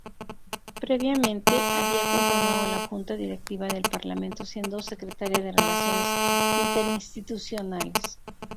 Previamente, había conformado la Junta Directiva del Parlamento, siendo secretaria de relaciones interinstitucionales.